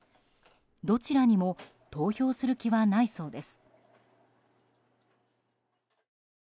どちらにも投票する気はないそうです。